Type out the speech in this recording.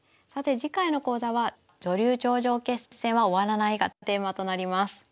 さて次回の講座は「女流頂上決戦は終わらない」がテーマとなります。